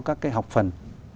các cái học phần